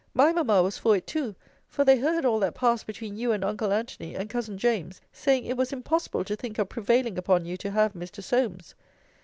My mamma was for it too; for they heard all that passed between you and uncle Antony, and cousin James; saying, it was impossible to think of prevailing upon you to have Mr. Solmes.